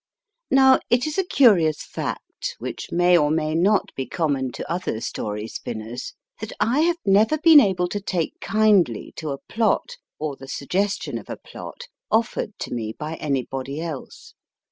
Now it is a curious fact, which may or may not be common to other story spinners, that I have never been able to take kindly to a plot or the suggestion of a plot offered to me by anybody else.